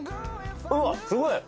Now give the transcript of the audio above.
うわすごい！